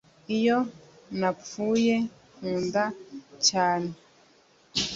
iyo napfuye, nkunda cyane,